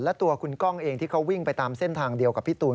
และตัวคุณก้องเองที่เขาวิ่งไปตามเส้นทางเดียวกับพี่ตูน